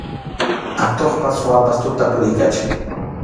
Atuqpas suwapas tuta puriykachan.